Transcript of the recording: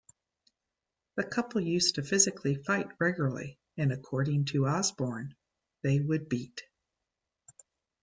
The couple used to physically fight regularly and, according to Osbourne, they would beat.